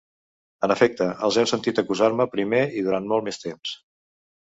En efecte, els heu sentit acusar-me primer i durant molt més temps.